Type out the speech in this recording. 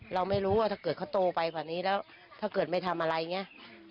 เราไม่รู้ว่าถ้าเกิดเขาโตไปกว่านี้แล้วถ้าเกิดไม่ทำอะไรอย่างนี้